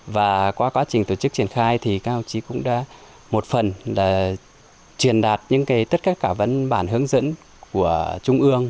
và qua quá trình tổ chức triển khai thì các đồng chí cũng đã một phần là truyền đạt những cái tất cả cả vấn bản hướng dẫn của trung ương